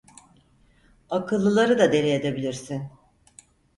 Akıllıları da deli edebilirsin…